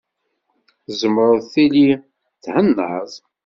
Tzemreḍ tili thennaḍ.